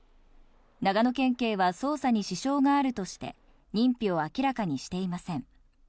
長野県警は捜査に支障があるとして、認否を明らかにしていません。